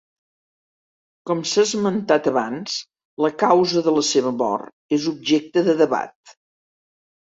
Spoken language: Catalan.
Com s'ha esmentat abans, la causa de la seva mor és objecte de debat.